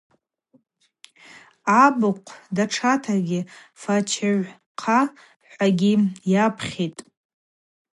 Абыхъв датшата Фачыгӏвхъа-хӏвагьи йапхьитӏ.